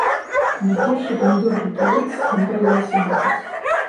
На першы памідор, які вырас, мы баяліся дыхаць.